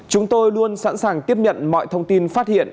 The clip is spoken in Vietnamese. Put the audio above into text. chúng tôi luôn sẵn sàng tiếp nhận mọi thông tin phát hiện